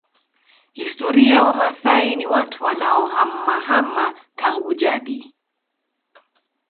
Historia Wamaasai ni watu wanaohamahama tangu jadi